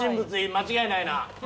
間違いない。